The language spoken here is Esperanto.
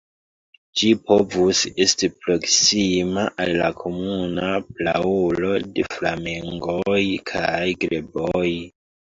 Ĝi povus esti proksima al la komuna praulo de flamengoj kaj greboj.